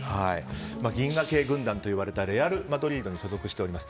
銀河系軍団と呼ばれたレアル・マドリードに所属しております。